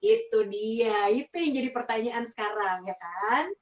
itu dia itu yang jadi pertanyaan sekarang ya kan